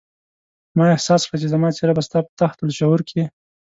ما احساس کړه چې زما څېره به ستا په تحت الشعور کې.